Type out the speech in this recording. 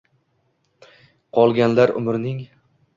Qolganlar umrning